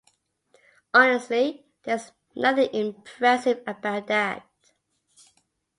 Honestly, there's nothing impressive about that.